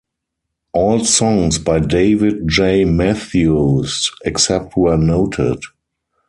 All songs by David J. Matthews, except where noted.